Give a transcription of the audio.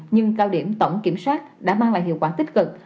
nhưng cao điểm tổng kiểm soát đã mang lại hiệu quả tích cực